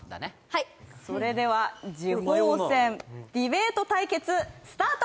はいそれでは次ほう戦ディベート対決スタート！